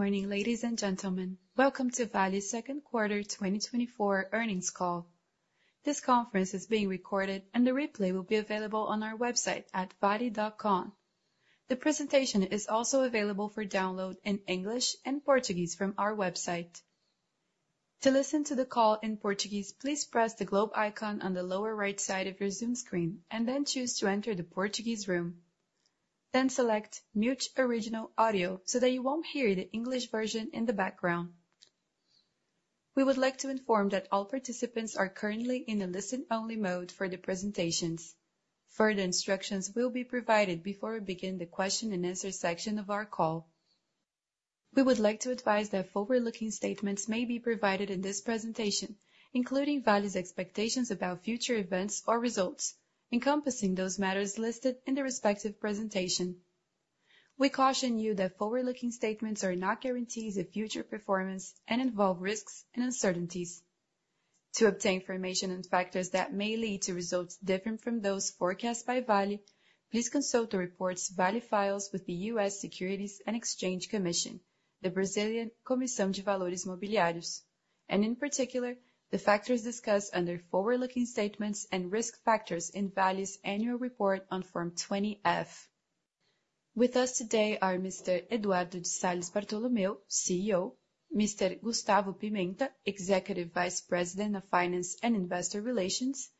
Good morning, ladies and gentlemen. Welcome to Vale's second quarter 2024 earnings call. This conference is being recorded, and the replay will be available on our website at vale.com. The presentation is also available for download in English and Portuguese from our website. To listen to the call in Portuguese, please press the globe icon on the lower right side of your Zoom screen, and then choose to enter the Portuguese room. Then select "Mute Original Audio" so that you won't hear the English version in the background. We would like to inform that all participants are currently in a listen-only mode for the presentations. Further instructions will be provided before we begin the question-and-answer section of our call. We would like to advise that forward-looking statements may be provided in this presentation, including Vale's expectations about future events or results, encompassing those matters listed in the respective presentation. We caution you that forward-looking statements are not guarantees of future performance and involve risks and uncertainties. To obtain information on factors that may lead to results different from those forecast by Vale, please consult the reports Vale files with the U.S. Securities and Exchange Commission, the Brazilian Comissão de Valores Mobiliários, and in particular, the factors discussed under forward-looking statements and risk factors in Vale's annual report on Form 20-F. With us today are Mr. Eduardo de Salles Bartolomeo, CEO; Mr. Gustavo Pimenta, Executive Vice President of Finance and Investor Relations;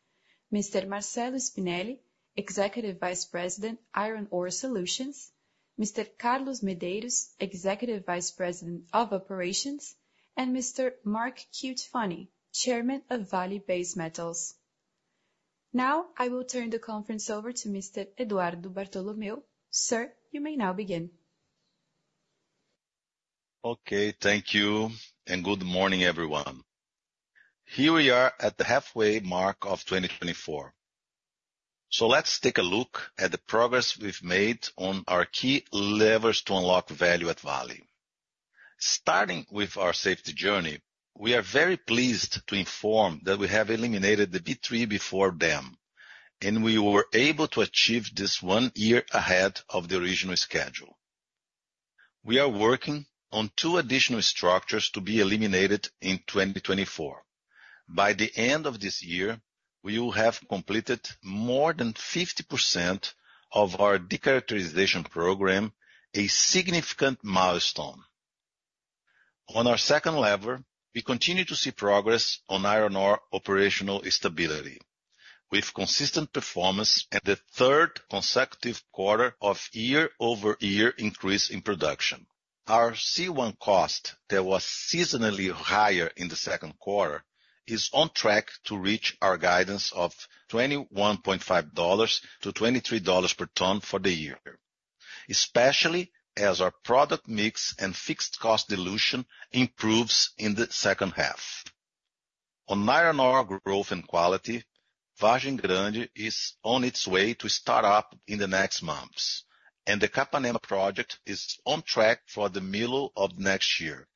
Mr. Marcello Spinelli, Executive Vice President, Iron Ore Solutions; Mr. Carlos Medeiros, Executive Vice President of Operations; and Mr. Mark Cutifani, Chairman of Vale Base Metals. Now, I will turn the conference over to Mr. Eduardo Bartolomeo. Sir, you may now begin. Okay, thank you, and good morning, everyone. Here we are at the halfway mark of 2024. So let's take a look at the progress we've made on our key levers to unlock value at Vale. Starting with our safety journey, we are very pleased to inform that we have eliminated the B3/B4 dam, and we were able to achieve this one year ahead of the original schedule. We are working on two additional structures to be eliminated in 2024. By the end of this year, we will have completed more than 50% of our de-characterization program, a significant milestone. On our second lever, we continue to see progress on iron ore operational stability, with consistent performance and the third consecutive quarter of year-over-year increase in production. Our C1 cost that was seasonally higher in the second quarter is on track to reach our guidance of $21.5-$23 per ton for the year, especially as our product mix and fixed cost dilution improves in the second half. On iron ore growth and quality, Vargem Grande is on its way to start up in the next months, and the Capanema project is on track for the middle of next year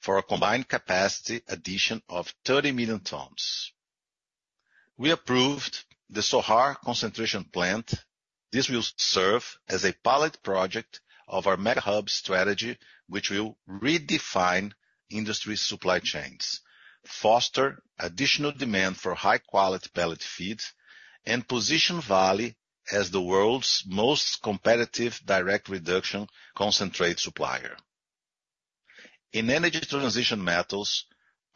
for a combined capacity addition of 30 million tons. We approved the Sohar Concentration Plant. This will serve as a pilot project of our mega hub strategy, which will redefine industry supply chains, foster additional demand for high-quality pellet feeds, and position Vale as the world's most competitive direct reduction concentrate supplier. In energy transition metals,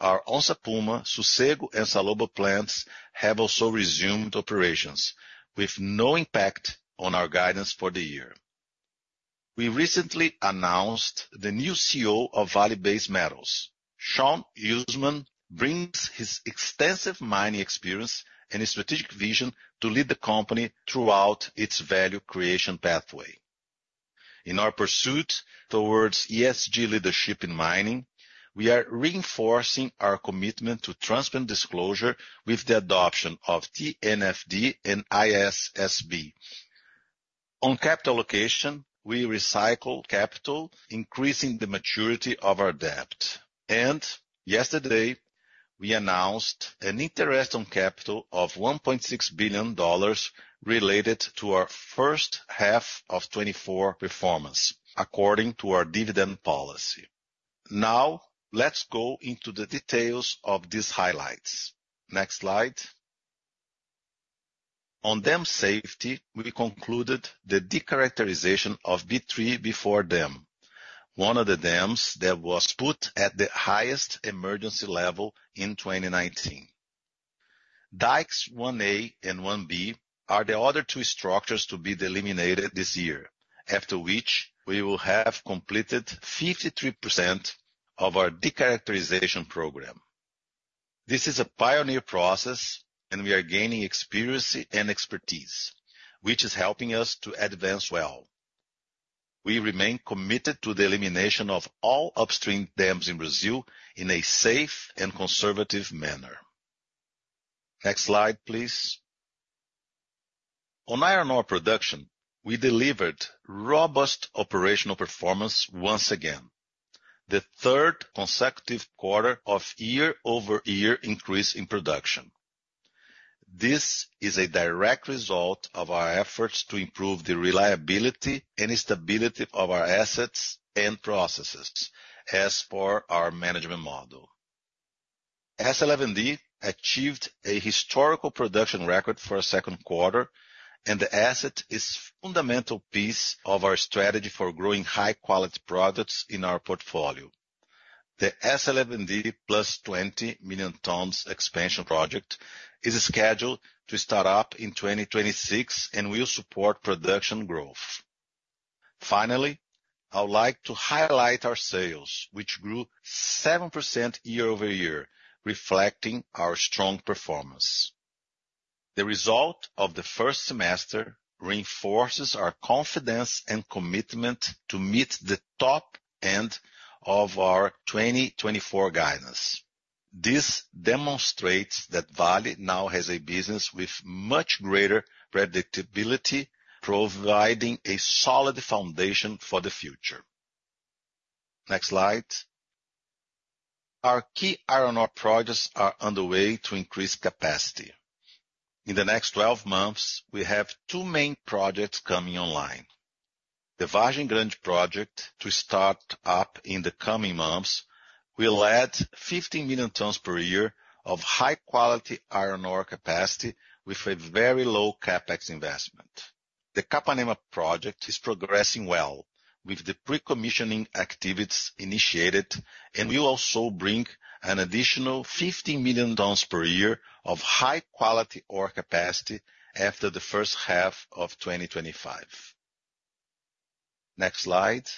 our Onça Puma, Sossego, and Salobo plants have also resumed operations, with no impact on our guidance for the year. We recently announced the new CEO of Vale Base Metals, Shaun Usmar, who brings his extensive mining experience and his strategic vision to lead the company throughout its value creation pathway. In our pursuit towards ESG leadership in mining, we are reinforcing our commitment to transparent disclosure with the adoption of TNFD and ISSB. On capital allocation, we recycle capital, increasing the maturity of our debt. Yesterday, we announced an interest on capital of $1.6 billion related to our first half of 2024 performance, according to our dividend policy. Now, let's go into the details of these highlights. Next slide. On dam safety, we concluded the de-characterization of B3/B4 dam, one of the dams that was put at the highest emergency level in 2019. Dikes 1A and 1B are the other two structures to be eliminated this year, after which we will have completed 53% of our de-characterization program. This is a pioneer process, and we are gaining experience and expertise, which is helping us to advance well. We remain committed to the elimination of all upstream dams in Brazil in a safe and conservative manner. Next slide, please. On iron ore production, we delivered robust operational performance once again, the third consecutive quarter of year-over-year increase in production. This is a direct result of our efforts to improve the reliability and stability of our assets and processes as per our management model. S11D achieved a historical production record for our second quarter, and the asset is a fundamental piece of our strategy for growing high-quality products in our portfolio. The S11D plus 20 million tons expansion project is scheduled to start up in 2026 and will support production growth. Finally, I would like to highlight our sales, which grew 7% year-over-year, reflecting our strong performance. The result of the first semester reinforces our confidence and commitment to meet the top end of our 2024 guidance. This demonstrates that Vale now has a business with much greater predictability, providing a solid foundation for the future. Next slide. Our key iron ore projects are underway to increase capacity. In the next 12 months, we have two main projects coming online. The Vargem Grande project, to start up in the coming months, will add 15 million tons per year of high-quality iron ore capacity with a very low CapEx investment. The Capanema project is progressing well with the pre-commissioning activities initiated, and we will also bring an additional 15 million tons per year of high-quality ore capacity after the first half of 2025. Next slide.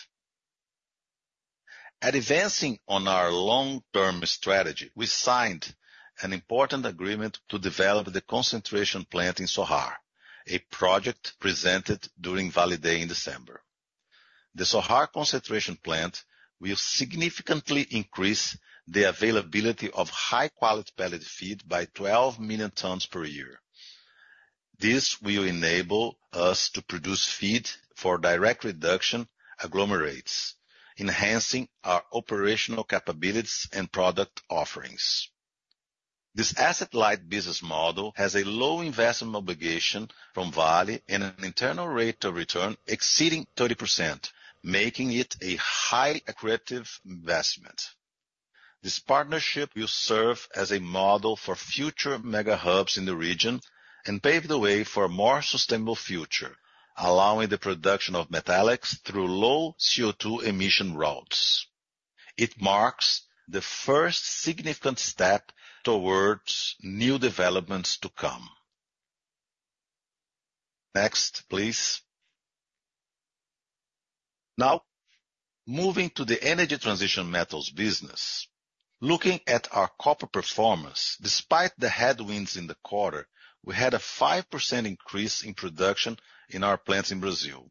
Advancing on our long-term strategy, we signed an important agreement to develop the concentration plant in Sohar, a project presented during Vale Day in December. The Sohar Concentration Plant will significantly increase the availability of high-quality pellet feed by 12 million tons per year. This will enable us to produce feed for direct reduction agglomerates, enhancing our operational capabilities and product offerings. This asset-light business model has a low investment obligation from Vale and an internal rate of return exceeding 30%, making it a highly accretive investment. This partnership will serve as a model for future mega hubs in the region and pave the way for a more sustainable future, allowing the production of metallics through low CO2 emission routes. It marks the first significant step towards new developments to come. Next, please. Now, moving to the energy transition metals business. Looking at our copper performance, despite the headwinds in the quarter, we had a 5% increase in production in our plants in Brazil.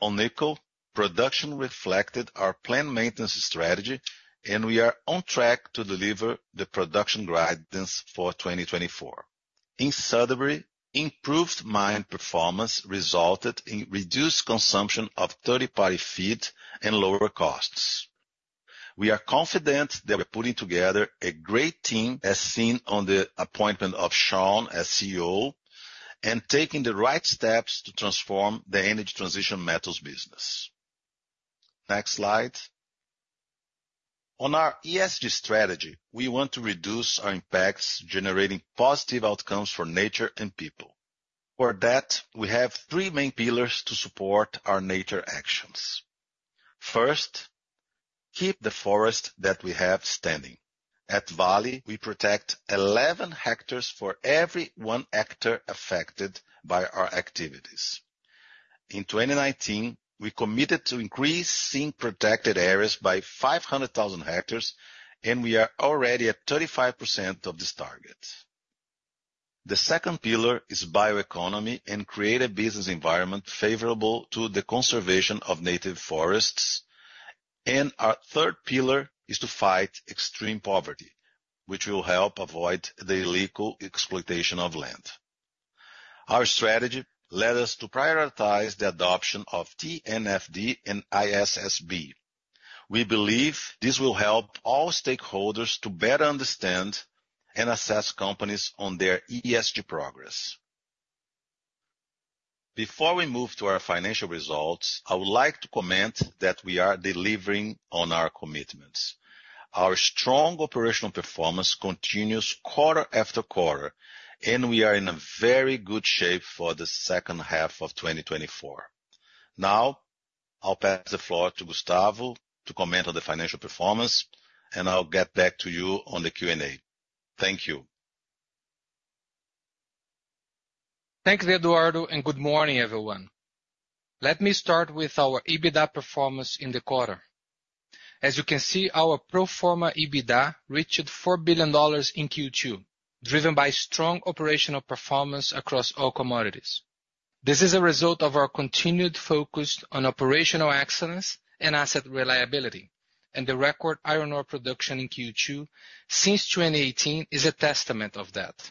On nickel, production reflected our plant maintenance strategy, and we are on track to deliver the production guidance for 2024. In Sudbury, improved mine performance resulted in reduced consumption of third-party feed and lower costs. We are confident that we are putting together a great team, as seen on the appointment of Shaun as CEO, and taking the right steps to transform the energy transition metals business. Next slide. On our ESG strategy, we want to reduce our impacts, generating positive outcomes for nature and people. For that, we have three main pillars to support our nature actions. First, keep the forest that we have standing. At Vale, we protect 11 hectares for every 1 hectare affected by our activities. In 2019, we committed to increasing protected areas by 500,000 hectares, and we are already at 35% of this target. The second pillar is bioeconomy and create a business environment favorable to the conservation of native forests. Our third pillar is to fight extreme poverty, which will help avoid the illegal exploitation of land. Our strategy led us to prioritize the adoption of TNFD and ISSB. We believe this will help all stakeholders to better understand and assess companies on their ESG progress. Before we move to our financial results, I would like to comment that we are delivering on our commitments. Our strong operational performance continues quarter-after-quarter, and we are in very good shape for the second half of 2024. Now, I'll pass the floor to Gustavo to comment on the financial performance, and I'll get back to you on the Q&A. Thank you. Thank you, Eduardo, and good morning, everyone. Let me start with our EBITDA performance in the quarter. As you can see, our pro forma EBITDA reached $4 billion in Q2, driven by strong operational performance across all commodities. This is a result of our continued focus on operational excellence and asset reliability, and the record iron ore production in Q2 since 2018 is a testament to that.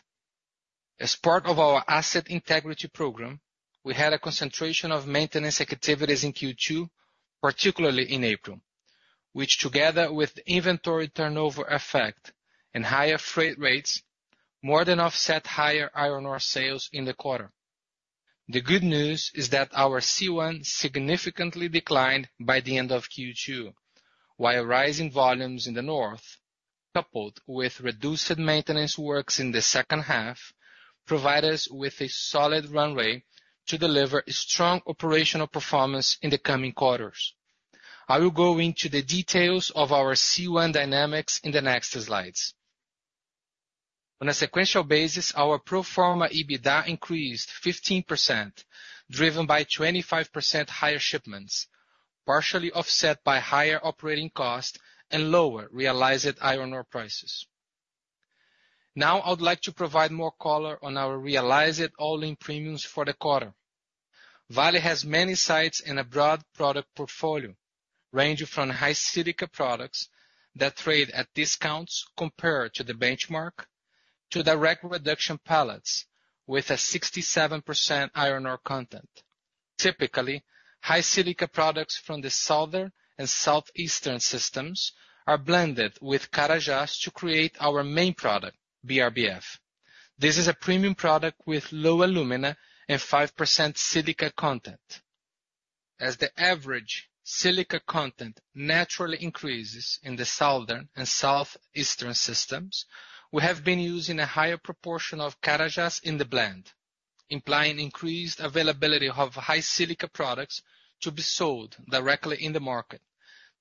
As part of our asset integrity program, we had a concentration of maintenance activities in Q2, particularly in April, which, together with inventory turnover effect and higher freight rates, more than offset higher iron ore sales in the quarter. The good news is that our C1 significantly declined by the end of Q2, while rising volumes in the north, coupled with reduced maintenance works in the second half, provided us with a solid runway to deliver strong operational performance in the coming quarters. I will go into the details of our C1 dynamics in the next slides. On a sequential basis, our pro forma EBITDA increased 15%, driven by 25% higher shipments, partially offset by higher operating costs and lower realized iron ore prices. Now, I would like to provide more color on our realized all-in premiums for the quarter. Vale has many sites and a broad product portfolio ranging from high silica products that trade at discounts compared to the benchmark to direct reduction pellets with a 67% iron ore content. Typically, high silica products from the southern and southeastern systems are blended with Carajás to create our main product, BRBF. This is a premium product with low alumina and 5% silica content. As the average silica content naturally increases in the southern and southeastern systems, we have been using a higher proportion of Carajás in the blend, implying increased availability of high silica products to be sold directly in the market.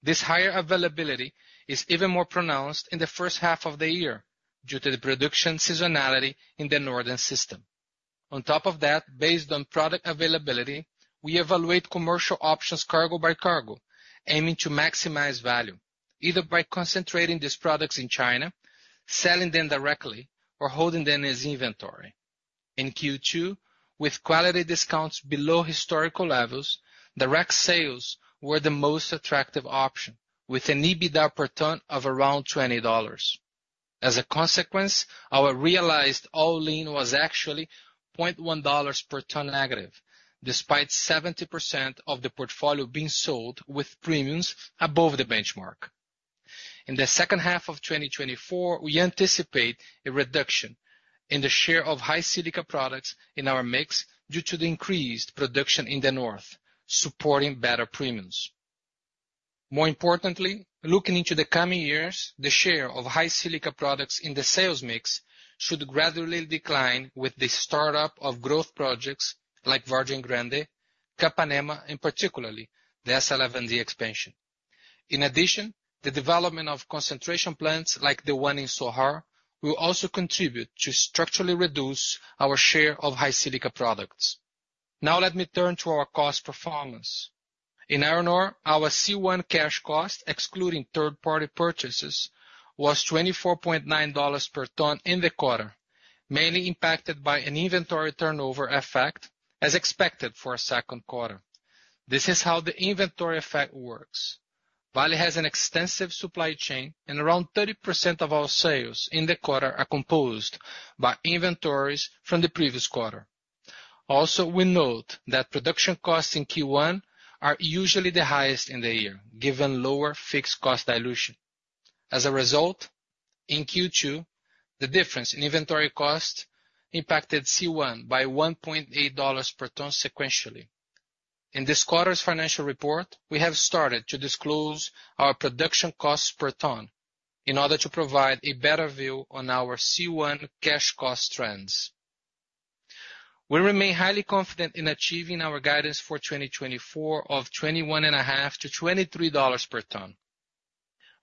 This higher availability is even more pronounced in the first half of the year due to the production seasonality in the northern system. On top of that, based on product availability, we evaluate commercial options cargo by cargo, aiming to maximize value, either by concentrating these products in China, selling them directly, or holding them as inventory. In Q2, with quality discounts below historical levels, direct sales were the most attractive option, with an EBITDA per ton of around $20. As a consequence, our realized all-in was actually $0.1 per ton negative, despite 70% of the portfolio being sold with premiums above the benchmark. In the second half of 2024, we anticipate a reduction in the share of high silica products in our mix due to the increased production in the north, supporting better premiums. More importantly, looking into the coming years, the share of high silica products in the sales mix should gradually decline with the startup of growth projects like Vargem Grande, Capanema, and particularly the S11D expansion. In addition, the development of concentration plants like the one in Sohar will also contribute to structurally reduce our share of high silica products. Now, let me turn to our cost performance. In iron ore, our C1 cash cost, excluding third-party purchases, was $24.9 per ton in the quarter, mainly impacted by an inventory turnover effect, as expected for a second quarter. This is how the inventory effect works. Vale has an extensive supply chain, and around 30% of our sales in the quarter are composed by inventories from the previous quarter. Also, we note that production costs in Q1 are usually the highest in the year, given lower fixed cost dilution. As a result, in Q2, the difference in inventory costs impacted C1 by $1.8 per ton sequentially. In this quarter's financial report, we have started to disclose our production costs per ton in order to provide a better view on our C1 cash cost trends. We remain highly confident in achieving our guidance for 2024 of $21.5-$23 per ton.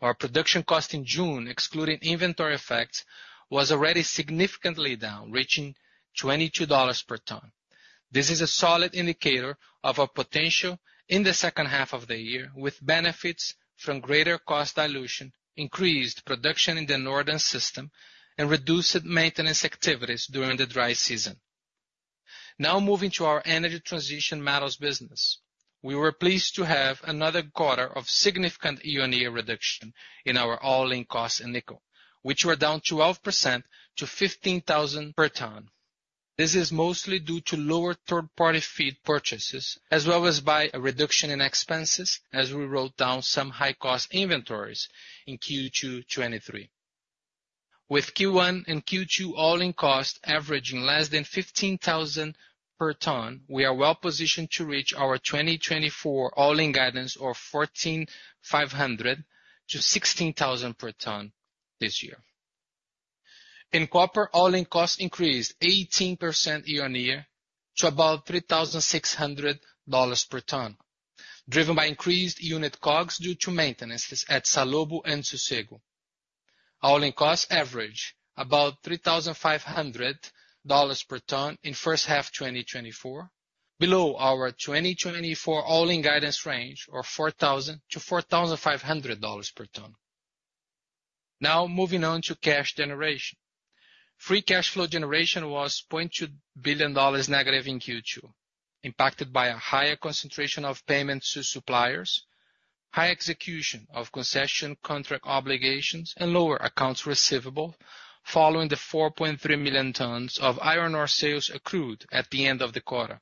Our production cost in June, excluding inventory effects, was already significantly down, reaching $22 per ton. This is a solid indicator of our potential in the second half of the year, with benefits from greater cost dilution, increased production in the northern system, and reduced maintenance activities during the dry season. Now, moving to our energy transition metals business, we were pleased to have another quarter of significant year-on-year reduction in our all-in costs in nickel, which were down 12% to $15,000 per ton. This is mostly due to lower third-party feed purchases, as well as by a reduction in expenses, as we wrote down some high-cost inventories in Q2 2023. With Q1 and Q2 all-in cost averaging less than $15,000 per ton, we are well-positioned to reach our 2024 all-in guidance of $14,500-$16,000 per ton this year. In copper, all-in costs increased 18% year-on-year to about $3,600 per ton, driven by increased unit COGS due to maintenance at Salobo and Sossego. All-in costs averaged about $3,500 per ton in the first half of 2024, below our 2024 all-in guidance range of $4,000-$4,500 per ton. Now, moving on to cash generation. Free cash flow generation was -$0.2 billion in Q2, impacted by a higher concentration of payment to suppliers, high execution of concession contract obligations, and lower accounts receivable following the 4.3 million tons of iron ore sales accrued at the end of the quarter.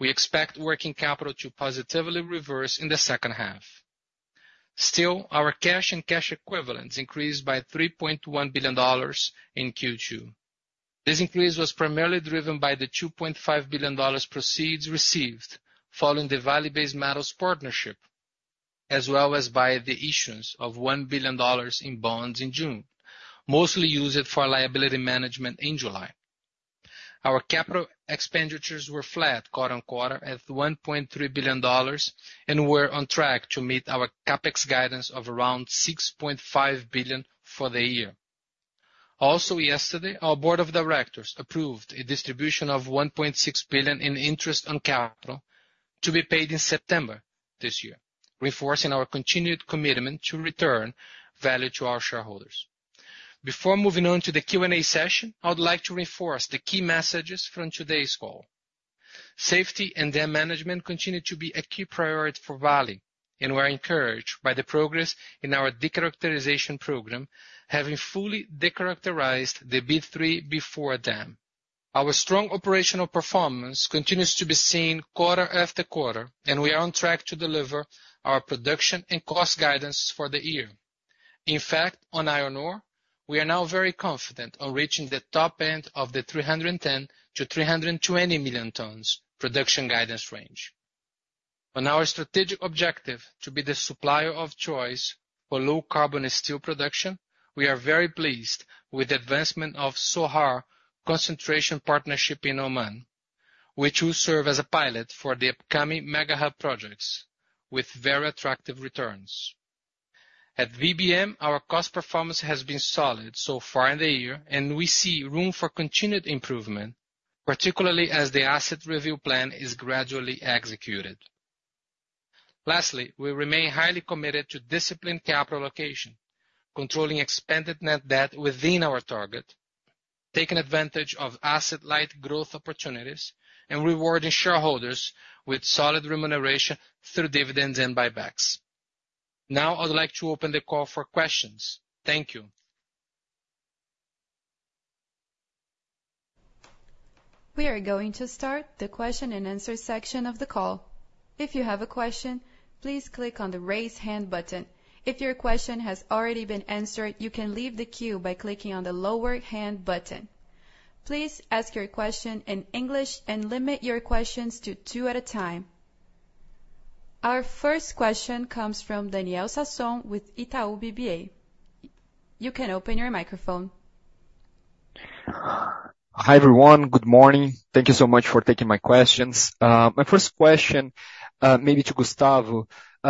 We expect working capital to positively reverse in the second half. Still, our cash and cash equivalents increased by $3.1 billion in Q2. This increase was primarily driven by the $2.5 billion proceeds received following the Vale Base Metals partnership, as well as by the issuance of $1 billion in bonds in June, mostly used for liability management in July. Our capital expenditures were flat quarter-over-quarter at $1.3 billion and were on track to meet our CapEx guidance of around $6.5 billion for the year. Also, yesterday, our board of directors approved a distribution of $1.6 billion in interest on capital to be paid in September this year, reinforcing our continued commitment to return value to our shareholders. Before moving on to the Q&A session, I would like to reinforce the key messages from today's call. Safety and dam management continue to be a key priority for Vale, and we are encouraged by the progress in our de-characterization program, having fully de-characterized the B3/B4 dam. Our strong operational performance continues to be seen quarter-after-quarter, and we are on track to deliver our production and cost guidance for the year. In fact, on iron ore, we are now very confident in reaching the top end of the 310 million-320 million tons production guidance range. On our strategic objective to be the supplier of choice for low-carbon steel production, we are very pleased with the advancement of Sohar Concentration Partnership in Oman, which will serve as a pilot for the upcoming mega hub projects with very attractive returns. At VBM, our cost performance has been solid so far in the year, and we see room for continued improvement, particularly as the asset review plan is gradually executed. Lastly, we remain highly committed to disciplined capital allocation, controlling expanded net debt within our target, taking advantage of asset-light growth opportunities, and rewarding shareholders with solid remuneration through dividends and buybacks. Now, I would like to open the call for questions. Thank you. We are going to start the question and answer section of the call. If you have a question, please click on the raise hand button. If your question has already been answered, you can leave the queue by clicking on the lower hand button. Please ask your question in English and limit your questions to two at a time. Our first question comes from Daniel Sasson with Itau BBA. You can open your microphone. Hi, everyone. Good morning. Thank you so much for taking my questions. My first question, maybe to Gustavo,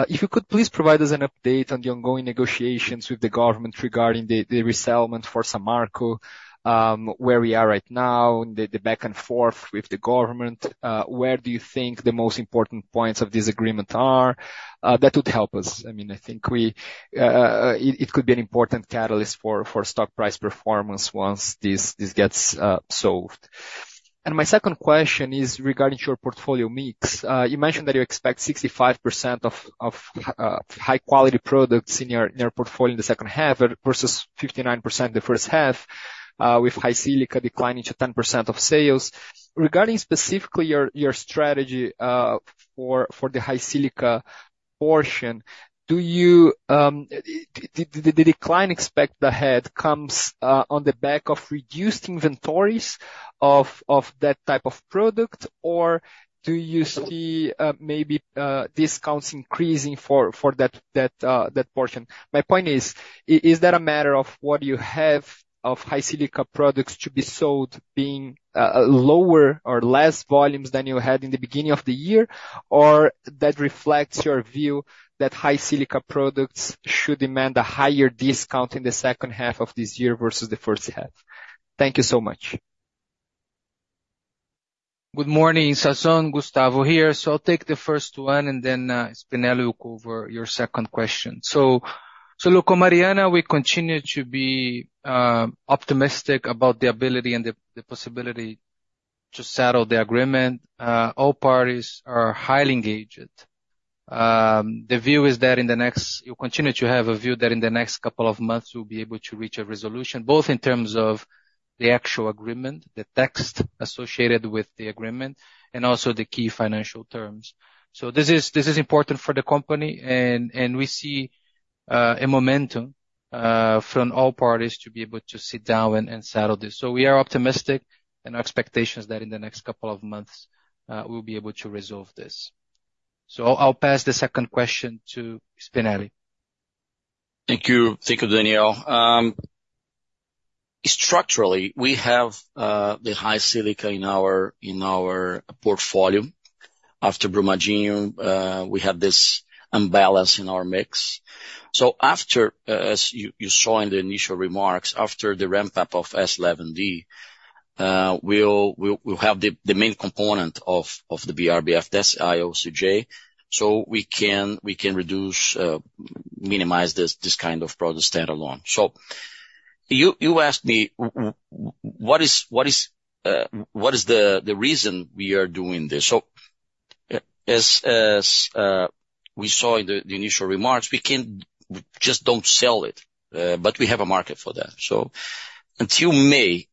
if you could please provide us an update on the ongoing negotiations with the government regarding the resettlement for Samarco, where we are right now, the back and forth with the government. Where do you think the most important points of this agreement are that would help us? I mean, I think it could be an important catalyst for stock price performance once this gets solved. And my second question is regarding your portfolio mix. You mentioned that you expect 65% of high-quality products in your portfolio in the second half versus 59% in the first half, with high silica declining to 10% of sales. Regarding specifically your strategy for the high silica portion, do you, did the decline expected ahead come on the back of reduced inventories of that type of product, or do you see maybe discounts increasing for that portion? My point is, is that a matter of what you have of high silica products to be sold being lower or less volumes than you had in the beginning of the year, or that reflects your view that high silica products should demand a higher discount in the second half of this year versus the first half? Thank you so much. Good morning, Sasson. Gustavo here. So I'll take the first one, and then Spinelli will cover your second question. So, regarding Mariana, we continue to be optimistic about the ability and the possibility to settle the agreement. All parties are highly engaged. The view is that in the next, you'll continue to have a view that in the next couple of months, we'll be able to reach a resolution, both in terms of the actual agreement, the text associated with the agreement, and also the key financial terms. So this is important for the company, and we see a momentum from all parties to be able to sit down and settle this. So we are optimistic, and our expectation is that in the next couple of months, we'll be able to resolve this. So I'll pass the second question to Spinelli. Thank you, Daniel. Structurally, we have the high silica in our portfolio. After Brumadinho, we have this imbalance in our mix. So after, as you saw in the initial remarks, after the ramp-up of S11D, we'll have the main component of the BRBF, that's IOCJ. So we can reduce, minimize this kind of product standalone. So you asked me what is the reason we are doing this. So as we saw in the initial remarks, we don't just sell it, but we have a market for that. So until May,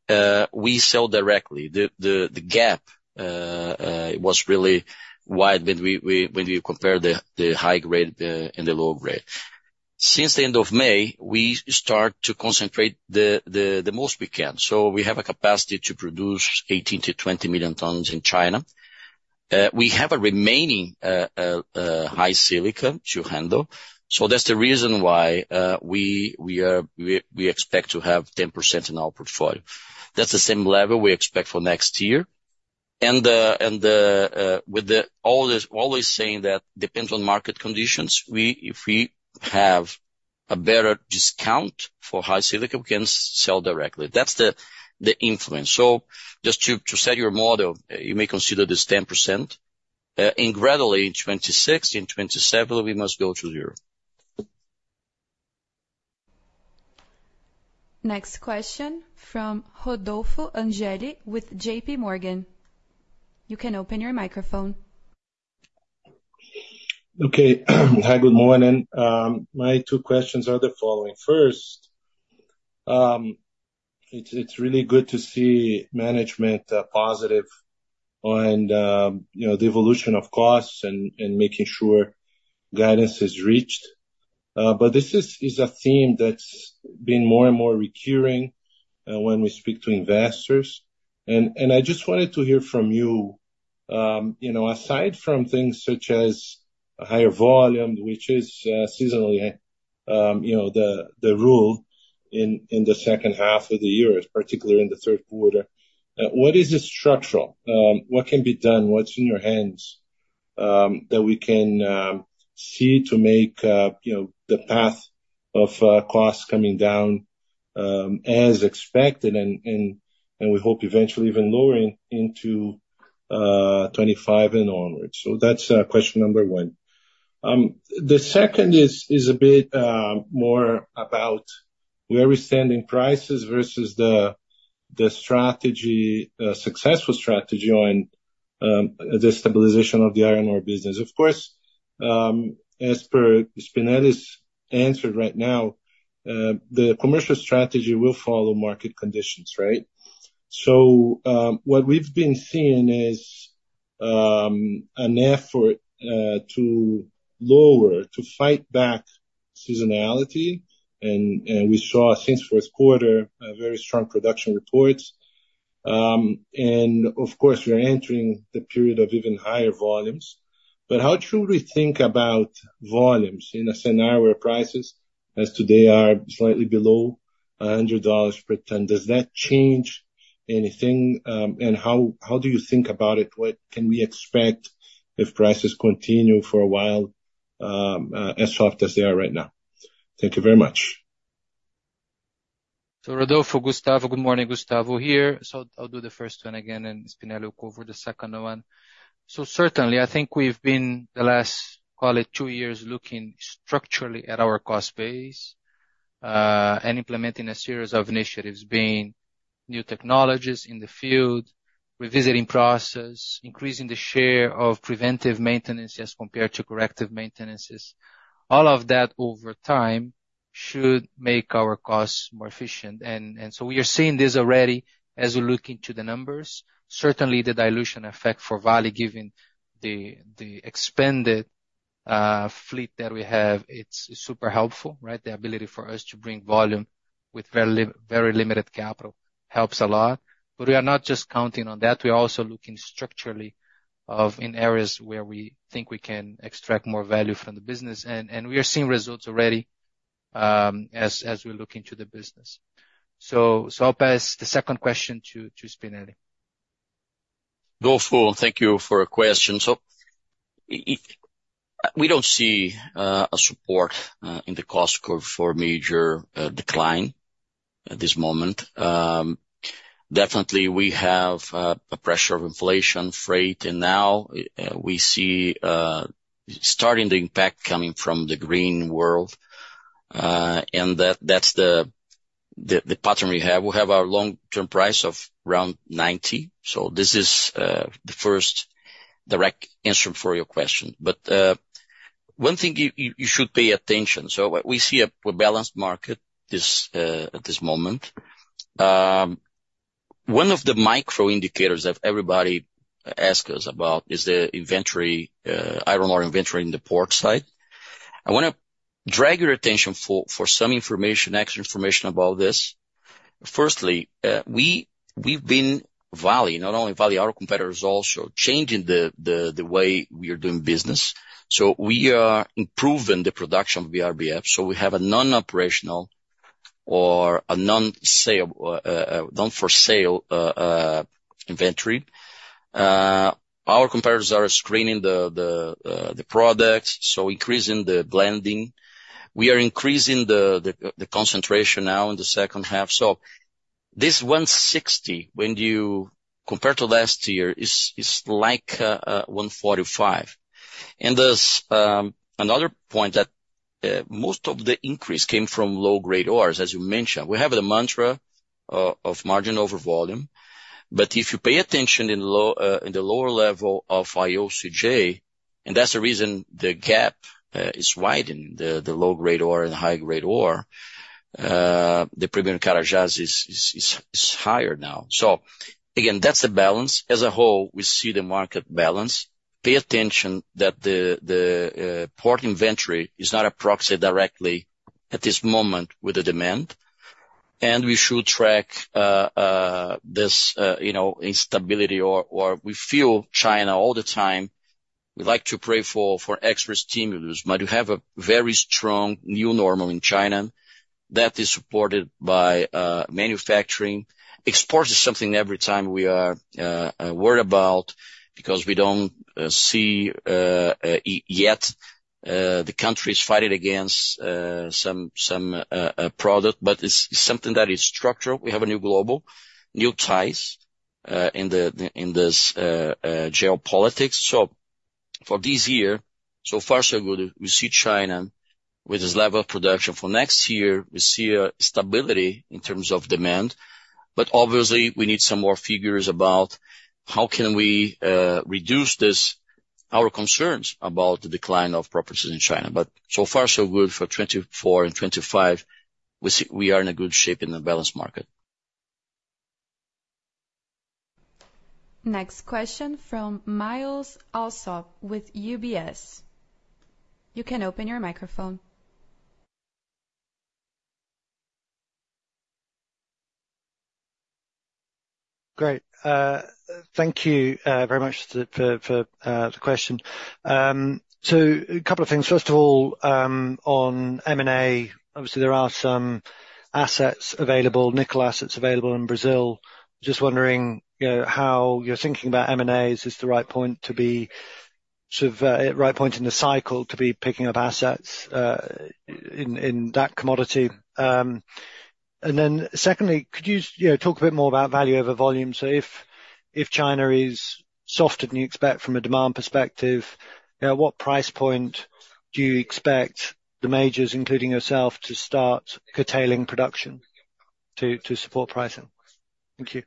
we sell directly. The gap was really wide when you compare the high-grade and the low-grade. Since the end of May, we start to concentrate the most we can. So we have a capacity to produce 18 million-20 million tons in China. We have a remaining high silica to handle. So that's the reason why we expect to have 10% in our portfolio. That's the same level we expect for next year. And with always saying that depends on market conditions, if we have a better discount for high silica, we can sell directly. That's the influence. So just to set your model, you may consider this 10%. And gradually, in 2026 and 2027, we must go to zero. Next question from Rodolfo de Angele with JPMorgan. You can open your microphone. Okay. Hi, good morning. My two questions are the following. First, it's really good to see management positive on the evolution of costs and making sure guidance is reached. But this is a theme that's been more and more recurring when we speak to investors. And I just wanted to hear from you, aside from things such as higher volume, which is seasonally the rule in the second half of the year, particularly in the third quarter, what is structural? What can be done? What's in your hands that we can see to make the path of costs coming down as expected, and we hope eventually even lowering into 2025 and onwards? So that's question number one. The second is a bit more about where we stand in prices versus the successful strategy on the stabilization of the iron ore business. Of course, as per Spinelli's answer right now, the commercial strategy will follow market conditions, right? So what we've been seeing is an effort to lower, to fight back seasonality. And we saw since fourth quarter, very strong production reports. And of course, we're entering the period of even higher volumes. But how should we think about volumes in a scenario where prices, as today, are slightly below $100 per ton? Does that change anything? And how do you think about it? What can we expect if prices continue for a while as soft as they are right now? Thank you very much. So Rodolfo, Gustavo, good morning. Gustavo here. So I'll do the first one again, and Spinelli will cover the second one. So certainly, I think we've been the last, call it, two years looking structurally at our cost base and implementing a series of initiatives, being new technologies in the field, revisiting process, increasing the share of preventive maintenance as compared to corrective maintenances. All of that over time should make our costs more efficient. And so we are seeing this already as we look into the numbers. Certainly, the dilution effect for Vale, given the expanded fleet that we have, it's super helpful, right? The ability for us to bring volume with very limited capital helps a lot. But we are not just counting on that. We are also looking structurally in areas where we think we can extract more value from the business. We are seeing results already as we're looking to the business. I'll pass the second question to Spinelli. Rodolfo. Thank you for a question. So we don't see a support in the cost curve for major decline at this moment. Definitely, we have a pressure of inflation, freight, and now we see starting the impact coming from the green world. That's the pattern we have. We have our long-term price of around $90. So this is the first direct answer for your question. But one thing you should pay attention to, so we see a balanced market at this moment. One of the micro indicators that everybody asks us about is the iron ore inventory in the port side. I want to draw your attention for some extra information about this. Firstly, Vale and not only Vale, our competitors are also changing the way we are doing business. So we are improving the production of BRBF. So we have a non-operational or a non-sale inventory. Our competitors are screening the products, so increasing the blending. We are increasing the concentration now in the second half. So this 160, when you compare to last year, is like 145. And there's another point that most of the increase came from low-grade ores, as you mentioned. We have the mantra of margin over volume. But if you pay attention in the lower level of IOCJ, and that's the reason the gap is widening, the low-grade ore and high-grade ore, the premium Carajás is higher now. So again, that's the balance. As a whole, we see the market balance. Pay attention that the port inventory is not approximate directly at this moment with the demand. And we should track this instability or we feel in China all the time. We like to pray for extra stimulus, but we have a very strong new normal in China that is supported by manufacturing. Exports is something every time we are worried about because we don't see yet the countries fighting against some product. But it's something that is structural. We have a new global, new ties in this geopolitics. So for this year, so far so good. We see China with this level of production. For next year, we see stability in terms of demand. But obviously, we need some more figures about how can we reduce our concerns about the decline of properties in China. But so far so good for 2024 and 2025, we are in a good shape in the balanced market. Next question from Myles Allsop with UBS. You can open your microphone. Great. Thank you very much for the question. So a couple of things. First of all, on M&A, obviously, there are some assets available, nickel assets available in Brazil. Just wondering how you're thinking about M&As. Is this the right point to be sort of right point in the cycle to be picking up assets in that commodity? And then secondly, could you talk a bit more about value over volume? So if China is softened, you expect from a demand perspective, what price point do you expect the majors, including yourself, to start curtailing production to support pricing? Thank you.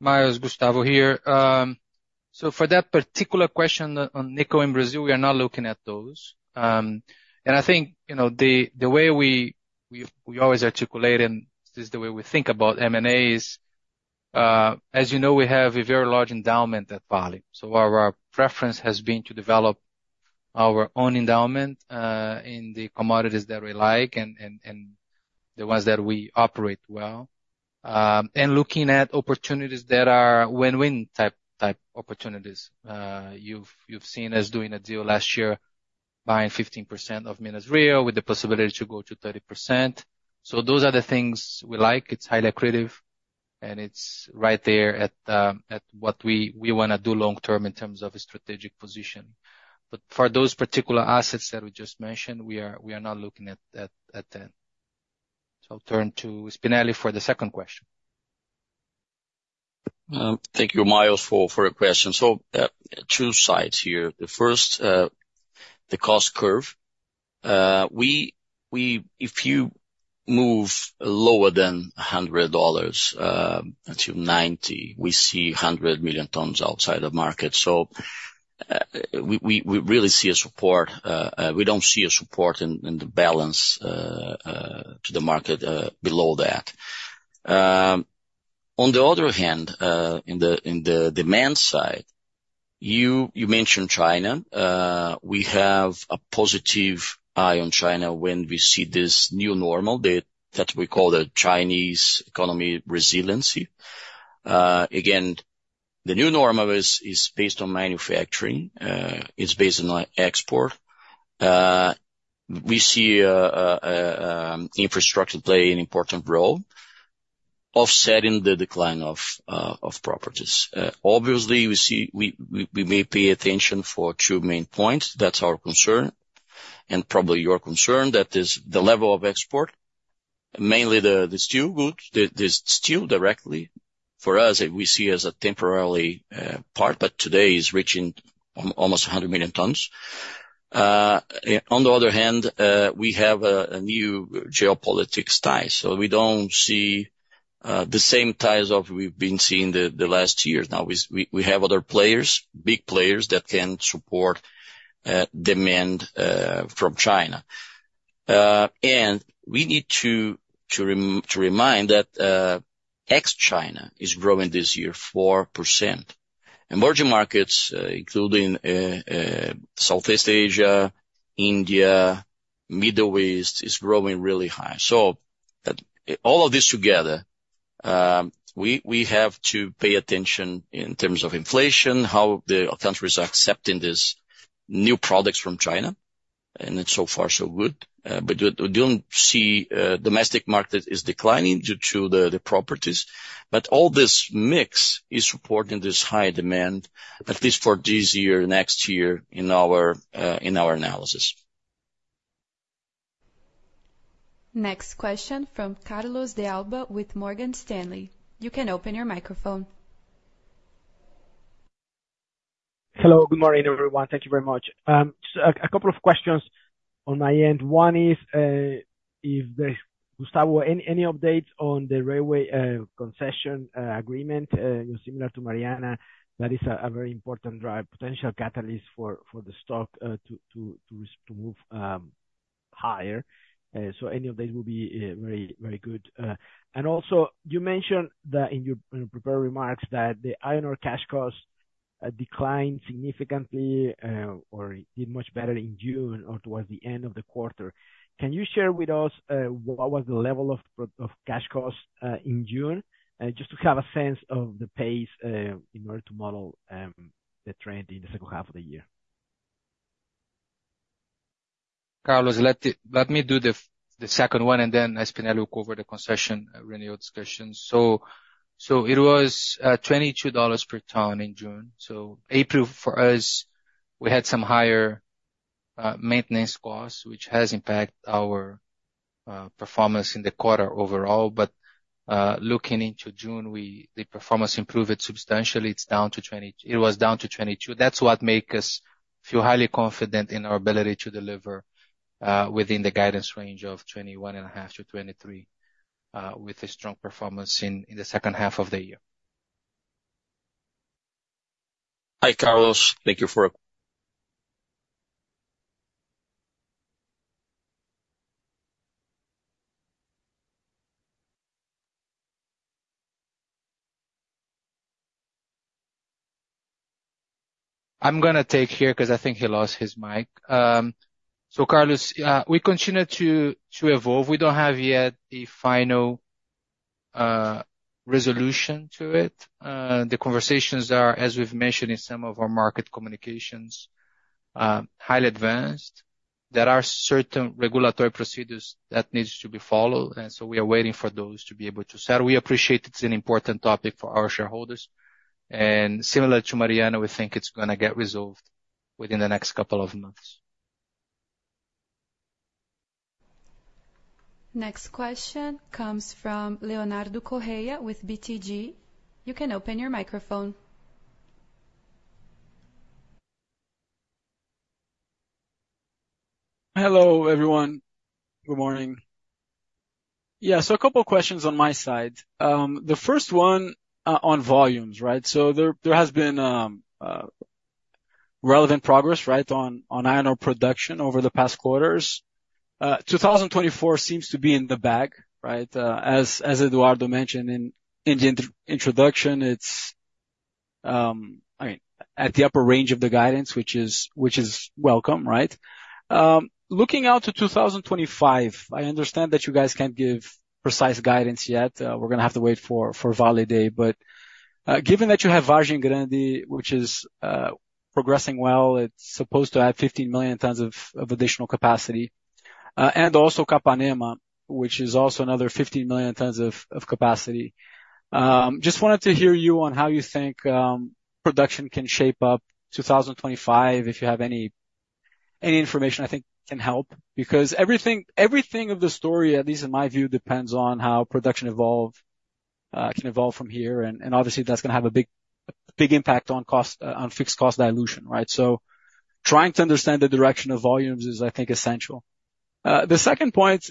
Myles, Gustavo here. So for that particular question on nickel in Brazil, we are not looking at those. And I think the way we always articulate and this is the way we think about M&As, as you know, we have a very large endowment at Vale. So our preference has been to develop our own endowment in the commodities that we like and the ones that we operate well. And looking at opportunities that are win-win type opportunities. You've seen us doing a deal last year, buying 15% of Minas-Rio with the possibility to go to 30%. So those are the things we like. It's highly accretive, and it's right there at what we want to do long-term in terms of a strategic position. But for those particular assets that we just mentioned, we are not looking at that. So I'll turn to Spinelli for the second question. Thank you, Myles, for your question. So two sides here. The first, the cost curve. If you move lower than $100-$90, we see 100 million tons outside of market. So we really see a support. We don't see a support in the balance to the market below that. On the other hand, in the demand side, you mentioned China. We have a positive eye on China when we see this new normal that we call the Chinese economy resiliency. Again, the new normal is based on manufacturing. It's based on export. We see infrastructure playing an important role offsetting the decline of properties. Obviously, we may pay attention for two main points. That's our concern and probably your concern, that is the level of export. Mainly the steel goods, the steel directly. For us, we see as a temporary part, but today is reaching almost 100 million tons. On the other hand, we have a new geopolitical tie. So we don't see the same ties as we've been seeing the last years. Now, we have other players, big players that can support demand from China. And we need to remind that ex-China is growing this year 4%. Emerging markets, including Southeast Asia, India, Middle East, is growing really high. So all of this together, we have to pay attention in terms of inflation, how the countries are accepting these new products from China. And it's so far so good. But we don't see domestic markets declining due to the properties. But all this mix is supporting this high demand, at least for this year, next year in our analysis. Next question from Carlos de Alba with Morgan Stanley. You can open your microphone. Hello, good morning, everyone. Thank you very much. Just a couple of questions on my end. One is, Gustavo, any updates on the railway concession agreement similar to Mariana? That is a very important driver, potential catalyst for the stock to move higher. So any update will be very good. And also, you mentioned in your prepared remarks that the iron ore cash costs declined significantly or did much better in June or towards the end of the quarter. Can you share with us what was the level of cash costs in June? Just to have a sense of the pace in order to model the trend in the second half of the year. Carlos, let me do the second one, and then Spinelli will cover the concession revenue discussion. So it was $22 per ton in June. So April, for us, we had some higher maintenance costs, which has impacted our performance in the quarter overall. But looking into June, the performance improved substantially. It was down to $22. That's what makes us feel highly confident in our ability to deliver within the guidance range of $21.5-$23 with a strong performance in the second half of the year. Hi, Carlos. Thank you for. I'm going to take here because I think he lost his mic. So Carlos, we continue to evolve. We don't have yet a final resolution to it. The conversations are, as we've mentioned in some of our market communications, highly advanced. There are certain regulatory procedures that need to be followed. So we are waiting for those to be able to settle. We appreciate it's an important topic for our shareholders. Similar to Mariana, we think it's going to get resolved within the next couple of months. Next question comes from Leonardo Correa with BTG. You can open your microphone. Hello, everyone. Good morning. Yeah, so a couple of questions on my side. The first one on volumes, right? So there has been relevant progress, right, on iron ore production over the past quarters. 2024 seems to be in the bag, right? As Eduardo mentioned in the introduction, it's, I mean, at the upper range of the guidance, which is welcome, right? Looking out to 2025, I understand that you guys can't give precise guidance yet. We're going to have to wait for Vale Day. But given that you have Vargem Grande, which is progressing well, it's supposed to add 15 million tons of additional capacity. And also Capanema, which is also another 15 million tons of capacity. Just wanted to hear you on how you think production can shape up 2025, if you have any information I think can help. Because everything of the story, at least in my view, depends on how production can evolve from here. And obviously, that's going to have a big impact on fixed cost dilution, right? So trying to understand the direction of volumes is, I think, essential. The second point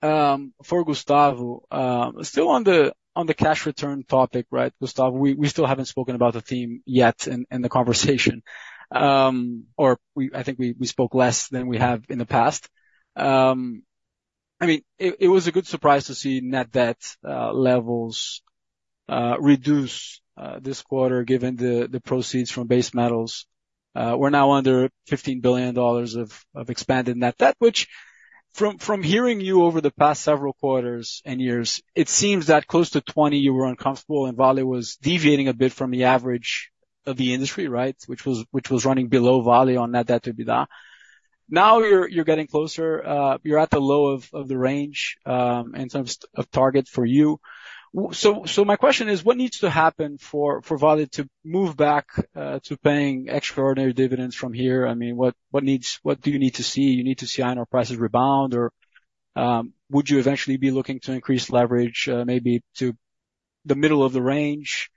for Gustavo, still on the cash return topic, right, Gustavo, we still haven't spoken about the theme yet in the conversation. Or I think we spoke less than we have in the past. I mean, it was a good surprise to see net debt levels reduce this quarter given the proceeds from base metals. We're now under $15 billion of expanded net debt, which from hearing you over the past several quarters and years, it seems that close to $20 billion you were uncomfortable and Vale was deviating a bit from the average of the industry, right, which was running below Vale on net debt to EBITDA. Now you're getting closer. You're at the low of the range in terms of target for you. So my question is, what needs to happen for Vale to move back to paying extraordinary dividends from here? I mean, what do you need to see? You need to see iron ore prices rebound, or would you eventually be looking to increase leverage maybe to the middle of the range?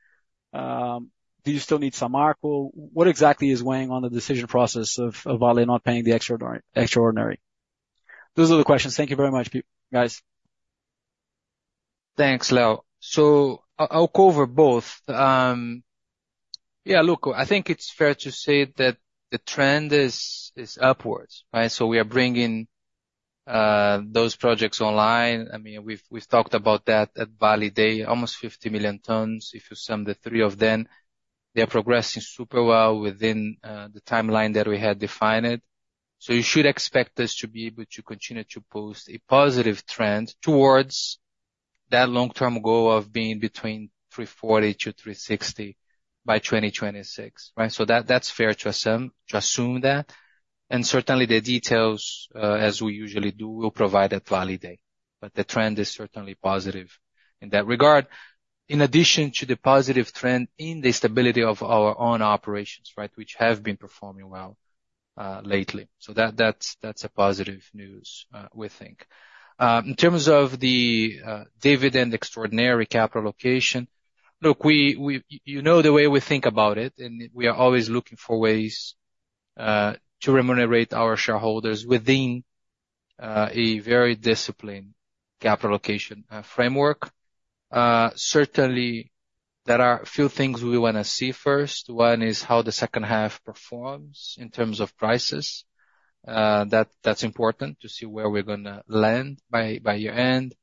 Do you still need some marker? What exactly is weighing on the decision process of Vale not paying the extraordinary? Those are the questions. Thank you very much, guys. Thanks, Leo. So I'll cover both. Yeah, look, I think it's fair to say that the trend is upwards, right? So we are bringing those projects online. I mean, we've talked about that at Vale Day, almost 50 million tons. If you sum the three of them, they are progressing super well within the timeline that we had defined. So you should expect us to be able to continue to post a positive trend towards that long-term goal of being between 340-360 by 2026, right? So that's fair to assume that. And certainly, the details, as we usually do, will provide at Vale Day. But the trend is certainly positive in that regard, in addition to the positive trend in the stability of our own operations, right, which have been performing well lately. So that's a positive news, we think. In terms of the dividend extraordinary capital allocation, look, you know the way we think about it, and we are always looking for ways to remunerate our shareholders within a very disciplined capital allocation framework. Certainly, there are a few things we want to see first. One is how the second half performs in terms of prices. That's important to see where we're going to land by year-end.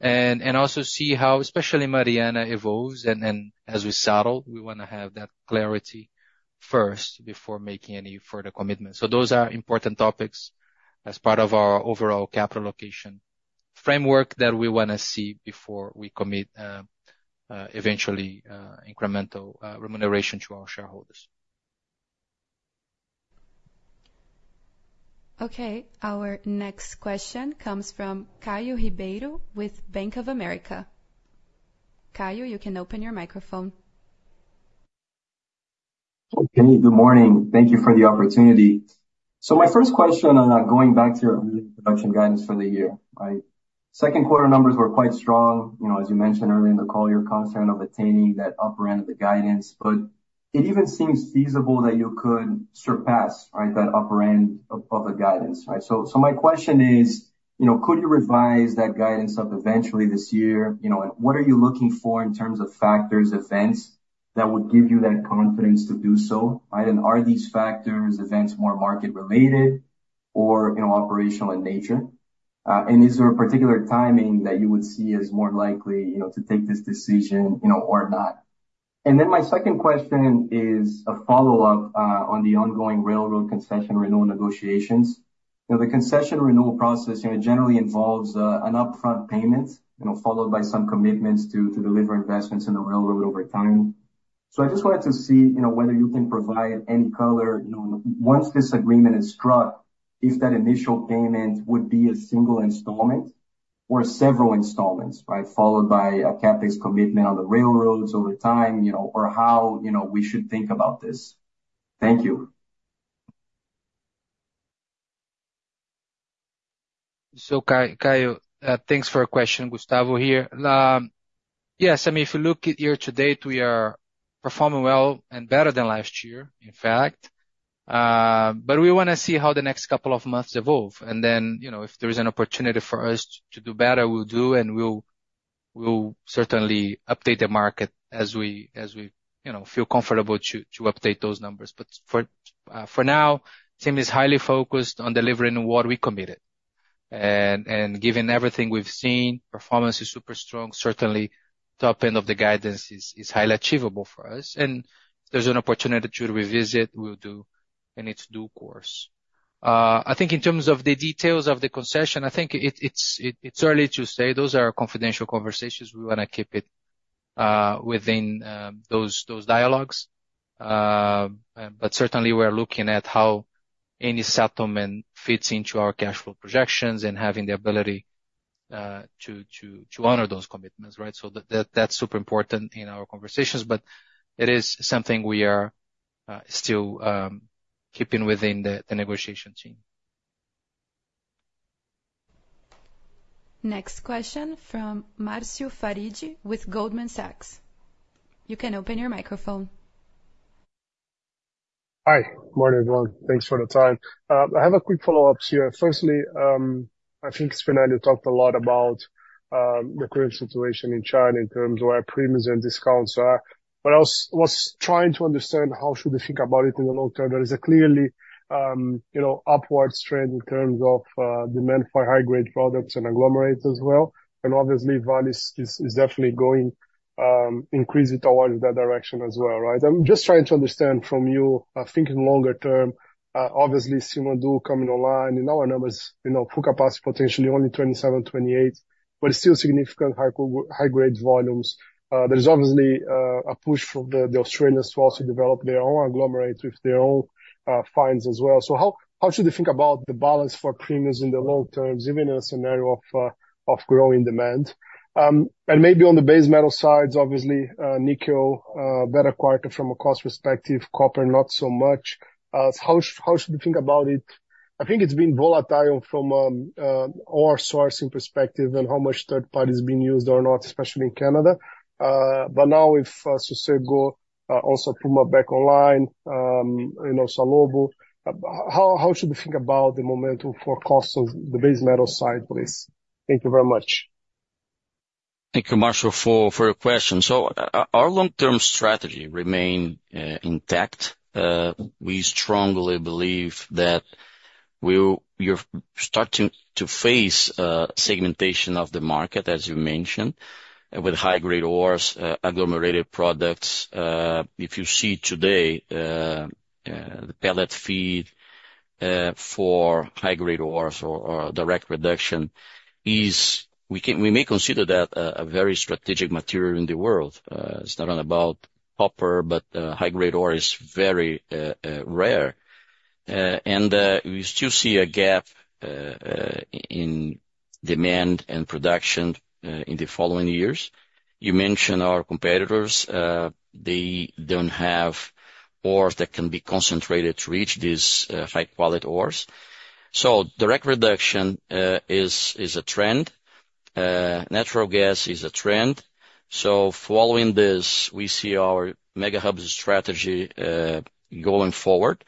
And also see how, especially Mariana, evolves. And as we settle, we want to have that clarity first before making any further commitments. So those are important topics as part of our overall capital allocation framework that we want to see before we commit eventually incremental remuneration to our shareholders. Okay, our next question comes from Caio Ribeiro with Bank of America. Caio, you can open your microphone. Hey, good morning. Thank you for the opportunity. So my first question on going back to your production guidance for the year. Second quarter numbers were quite strong. As you mentioned earlier in the call, you're concerned of attaining that upper end of the guidance, but it even seems feasible that you could surpass that upper end of the guidance, right? So my question is, could you revise that guidance up eventually this year? And what are you looking for in terms of factors, events that would give you that confidence to do so, right? And are these factors, events more market-related or operational in nature? And is there a particular timing that you would see as more likely to take this decision or not? And then my second question is a follow-up on the ongoing railroad concession renewal negotiations. The concession renewal process generally involves an upfront payment followed by some commitments to deliver investments in the railroad over time. So I just wanted to see whether you can provide any color once this agreement is struck, if that initial payment would be a single installment or several installments, right, followed by a CapEx commitment on the railroads over time, or how we should think about this? Thank you. So Caio, thanks for your question, Gustavo here. Yes, I mean, if you look at year-to-date, we are performing well and better than last year, in fact. But we want to see how the next couple of months evolve. And then if there's an opportunity for us to do better, we'll do, and we'll certainly update the market as we feel comfortable to update those numbers. But for now, the team is highly focused on delivering what we committed. And given everything we've seen, performance is super strong. Certainly, the top end of the guidance is highly achievable for us. And if there's an opportunity to revisit, we'll do it, of course. I think in terms of the details of the concession, I think it's early to say. Those are confidential conversations. We want to keep it within those dialogues. Certainly, we're looking at how any settlement fits into our cash flow projections and having the ability to honor those commitments, right? That's super important in our conversations. It is something we are still keeping within the negotiation team. Next question from Marcio Farid with Goldman Sachs. You can open your microphone. Hi, good morning, everyone. Thanks for the time. I have a quick follow-up here. Firstly, I think Spinelli talked a lot about the current situation in China in terms of where premiums and discounts are. But I was trying to understand how should we think about it in the long term. There is a clearly upward trend in terms of demand for high-grade products and agglomerates as well. And obviously, Vale is definitely going to increase it towards that direction as well, right? I'm just trying to understand from you, thinking longer term, obviously, S11D coming online. And our numbers, full capacity, potentially only 27, 28, but still significant high-grade volumes. There's obviously a push from the Australians to also develop their own agglomerate with their own fines as well. So how should we think about the balance for premiums in the long term, even in a scenario of growing demand? And maybe on the base metal sides, obviously, nickel, better quarter from a cost perspective, copper not so much. How should we think about it? I think it's been volatile from our sourcing perspective and how much third parties are being used or not, especially in Canada. But now with Sossego, also Puma back online, Salobo, how should we think about the momentum for costs on the base metal side, please? Thank you very much. Thank you, Marcio, for your question. So our long-term strategy remains intact. We strongly believe that you're starting to face segmentation of the market, as you mentioned, with high-grade ores, agglomerated products. If you see today, the pellet feed for high-grade ores or direct reduction is. We may consider that a very strategic material in the world. It's not only about copper, but high-grade ore is very rare. And we still see a gap in demand and production in the following years. You mentioned our competitors. They don't have ores that can be concentrated to reach these high-quality ores. So direct reduction is a trend. Natural gas is a trend. So following this, we see our mega hub strategy going forward.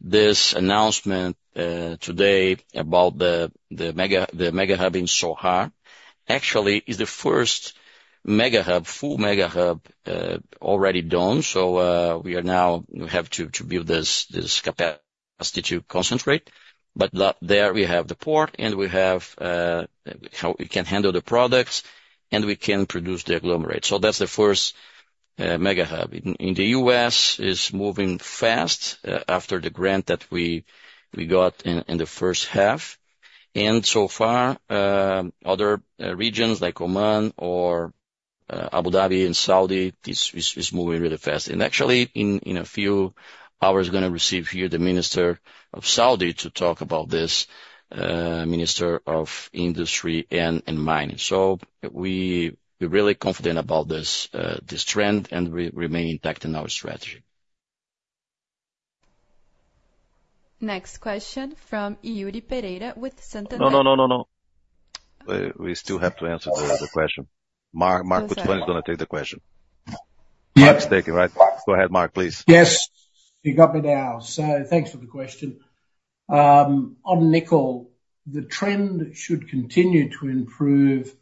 This announcement today about the mega hub in Sohar actually is the first mega hub, full mega hub already done. We now have to build this capacity to concentrate. But there we have the port, and we can handle the products, and we can produce the agglomerate. That's the first mega hub. In the U.S., it's moving fast after the grant that we got in the first half. So far, other regions like Oman or Abu Dhabi and Saudi are moving really fast. Actually, in a few hours, we're going to receive here the Minister of Saudi to talk about this, Minister of Industry and Mining. We're really confident about this trend and remain intact in our strategy. Next question from Yuri Pereira with Santander. No, no, no, no, no. We still have to answer the question. Mark Cutifani is going to take the question. Mark's taking it, right? Go ahead, Mark, please. Yes. He got me now. So thanks for the question. On nickel, the trend should continue to improve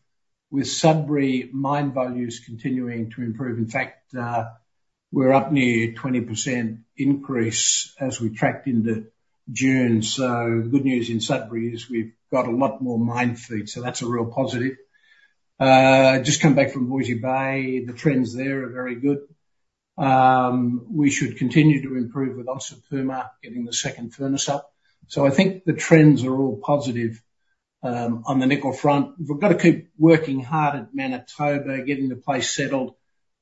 with Sudbury mine values continuing to improve. In fact, we're up near 20% increase as we tracked into June. So the good news in Sudbury is we've got a lot more mine feed. So that's a real positive. Just come back from Voisey's Bay. The trends there are very good. We should continue to improve with also Onça Puma getting the second furnace up. So I think the trends are all positive on the nickel front. We've got to keep working hard at Manitoba, getting the place settled,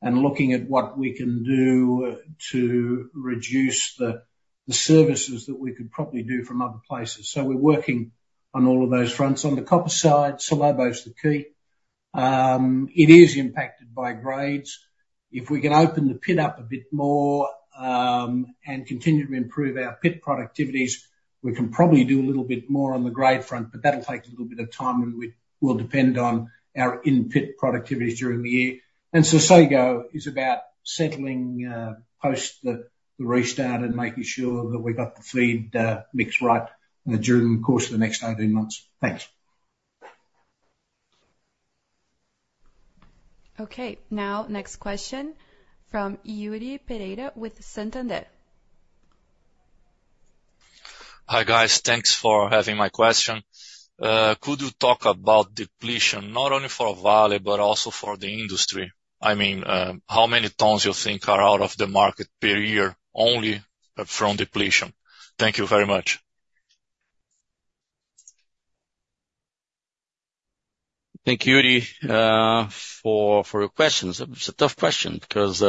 and looking at what we can do to reduce the services that we could probably do from other places. So we're working on all of those fronts. On the copper side, Salobo is the key. It is impacted by grades. If we can open the pit up a bit more and continue to improve our pit productivities, we can probably do a little bit more on the grade front, but that'll take a little bit of time, and we'll depend on our in-pit productivities during the year. And Sossego is about settling post the restart and making sure that we got the feed mix right during the course of the next 18 months. Thanks. Okay, now next question from Yuri Pereira with Santander. Hi guys, thanks for having my question. Could you talk about depletion, not only for Vale, but also for the industry? I mean, how many tons you think are out of the market per year only from depletion? Thank you very much. Thank you, Yuri, for your questions. It's a tough question because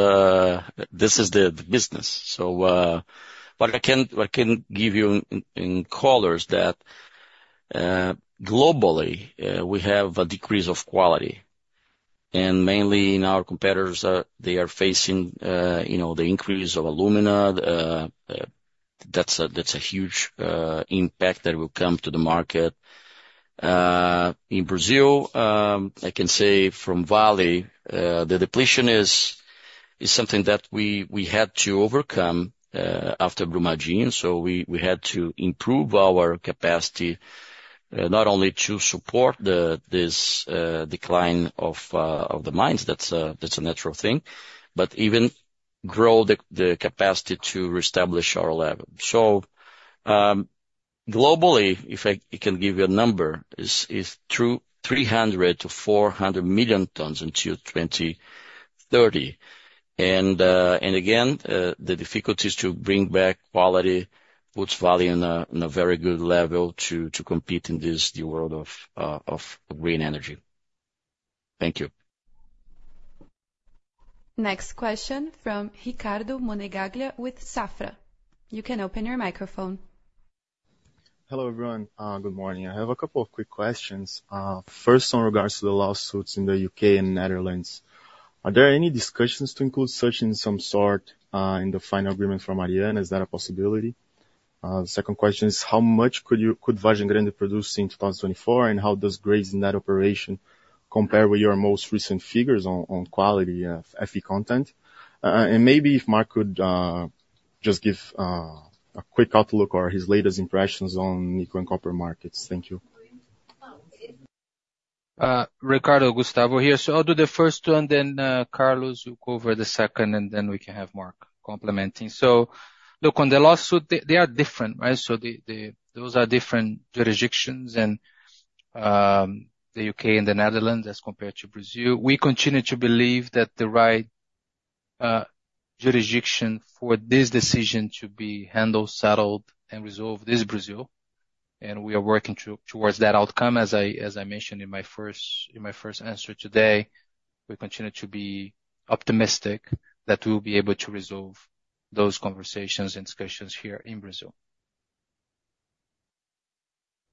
this is the business. I can give you in colors that globally, we have a decrease of quality. Mainly in our competitors, they are facing the increase of alumina. That's a huge impact that will come to the market. In Brazil, I can say from Vale, the depletion is something that we had to overcome after Brumadinho. We had to improve our capacity, not only to support this decline of the mines, that's a natural thing, but even grow the capacity to reestablish our level. Globally, if I can give you a number, it's 300 million-400 million tons until 2030. Again, the difficulties to bring back quality puts Vale on a very good level to compete in this new world of green energy. Thank you. Next question from Ricardo Monegaglia with Safra. You can open your microphone. Hello everyone. Good morning. I have a couple of quick questions. First, in regards to the lawsuits in the U.K. and Netherlands, are there any discussions to include such in some sort of the final agreement from Mariana? Is that a possibility? The second question is, how much could Vale produce in 2024, and how does grade in that operation compare with your most recent figures on quality Fe content? And maybe if Mark could just give a quick outlook or his latest impressions on nickel and copper markets. Thank you. Ricardo, Gustavo here. So I'll do the first one, then Carlos will go over the second, and then we can have Mark complementing. So look, on the lawsuit, they are different, right? So those are different jurisdictions in the U.K. and the Netherlands as compared to Brazil. We continue to believe that the right jurisdiction for this decision to be handled, settled, and resolved is Brazil. And we are working towards that outcome. As I mentioned in my first answer today, we continue to be optimistic that we'll be able to resolve those conversations and discussions here in Brazil.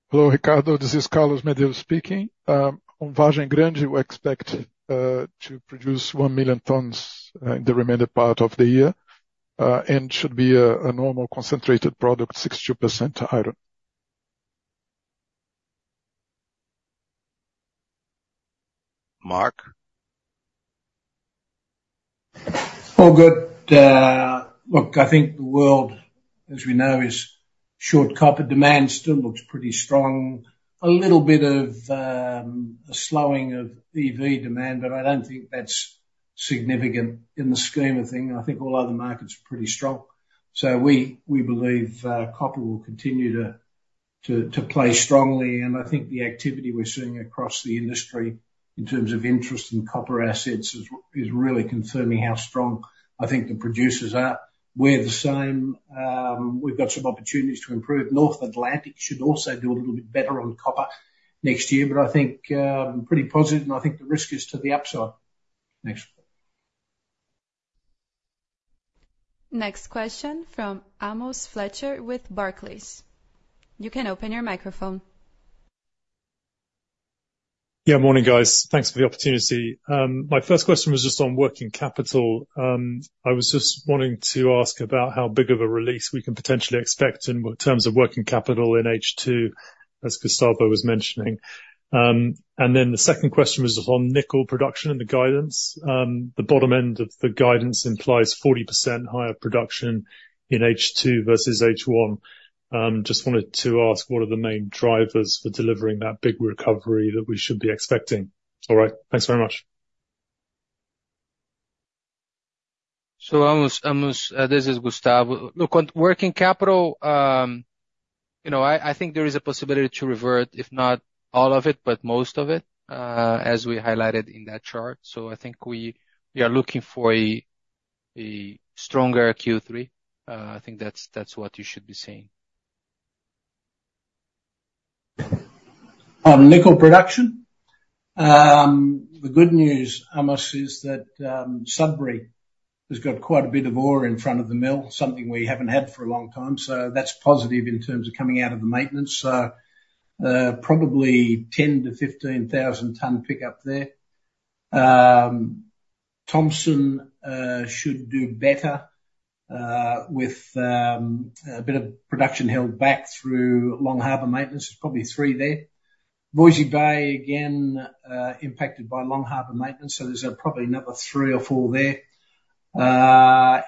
Hello, Ricardo. This is Carlos Medeiros speaking. On Vargem Grande, we expect to produce 1 million tons in the remainder part of the year and should be a normal concentrated product, 62% iron. Mark? All good. Look, I think the world, as we know, is short. Copper demand still looks pretty strong. A little bit of a slowing of EV demand, but I don't think that's significant in the scheme of things. I think all other markets are pretty strong. So we believe copper will continue to play strongly. And I think the activity we're seeing across the industry in terms of interest in copper assets is really confirming how strong I think the producers are. We're the same. We've got some opportunities to improve. North Atlantic should also do a little bit better on copper next year, but I think pretty positive. And I think the risk is to the upside. Next. Next question from Amos Fletcher with Barclays. You can open your microphone. Yeah, morning, guys. Thanks for the opportunity. My first question was just on working capital. I was just wanting to ask about how big of a release we can potentially expect in terms of working capital in H2, as Gustavo was mentioning. And then the second question was on nickel production and the guidance. The bottom end of the guidance implies 40% higher production in H2 versus H1. Just wanted to ask what are the main drivers for delivering that big recovery that we should be expecting. All right. Thanks very much. So Amos, this is Gustavo. Look, on working capital, I think there is a possibility to revert, if not all of it, but most of it, as we highlighted in that chart. So I think we are looking for a stronger Q3. I think that's what you should be seeing. On nickel production, the good news, Amos, is that Sudbury has got quite a bit of ore in front of the mill, something we haven't had for a long time. So that's positive in terms of coming out of the maintenance. So probably 10,000-15,000-ton pickup there. Thompson should do better with a bit of production held back through Long Harbour maintenance. There's probably 3,000 there. Voisey's Bay, again, impacted by Long Harbour maintenance. So there's probably another 3,000 or 4,000 there.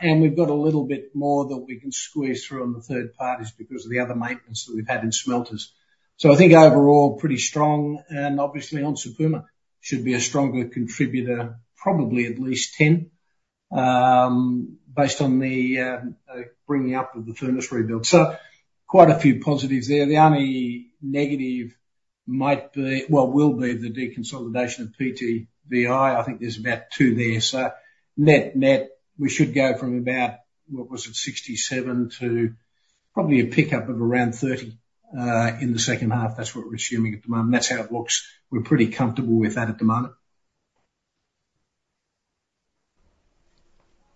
And we've got a little bit more that we can squeeze through on the third parties because of the other maintenance that we've had in smelters. So I think overall, pretty strong. And obviously, on Onça Puma, should be a stronger contributor, probably at least 10,000, based on the bringing up of the furnace rebuild. So quite a few positives there. The only negative might be, well, will be the deconsolidation of PTVI. I think there's about 2,000 there. So net, net, we should go from about, what was it, 67 to probably a pickup of around 30 in the second half. That's what we're assuming at the moment. That's how it looks. We're pretty comfortable with that at the moment.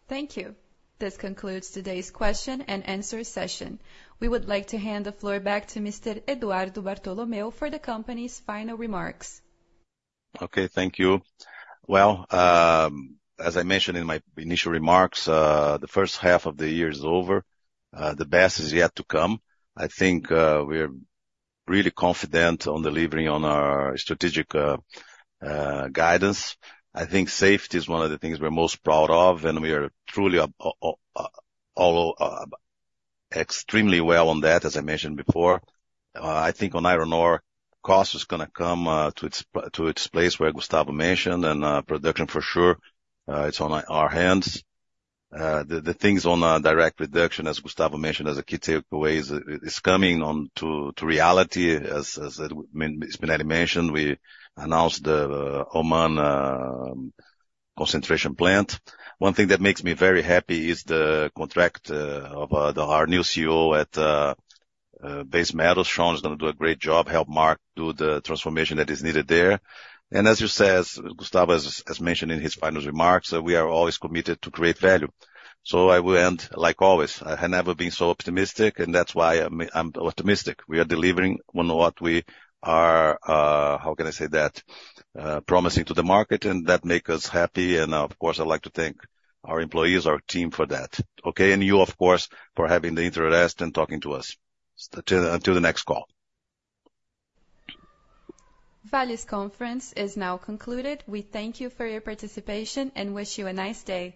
Thank you. This concludes today's question and answer session. We would like to hand the floor back to Mr. Eduardo Bartolomeo for the company's final remarks. Okay, thank you. Well, as I mentioned in my initial remarks, the first half of the year is over. The best is yet to come. I think we're really confident on delivering on our strategic guidance. I think safety is one of the things we're most proud of, and we are truly extremely well on that, as I mentioned before. I think on iron ore, cost is going to come to its place where Gustavo mentioned, and production for sure, it's on our hands. The things on direct reduction, as Gustavo mentioned, as a key takeaway, is coming to reality. As Spinelli mentioned, we announced the Oman concentration plant. One thing that makes me very happy is the contract of our new CEO at Base Metals. Shaun is going to do a great job, help Mark do the transformation that is needed there. As you say, Gustavo, as mentioned in his final remarks, we are always committed to create value. I will end, like always, I have never been so optimistic, and that's why I'm optimistic. We are delivering on what we are, how can I say that, promising to the market, and that makes us happy. And of course, I'd like to thank our employees, our team for that. Okay, and you, of course, for having the interest and talking to us. Until the next call. Vale's conference is now concluded. We thank you for your participation and wish you a nice day.